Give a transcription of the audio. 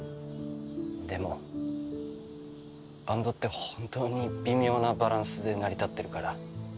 でもバンドって本当に微妙なバランスで成り立ってるから。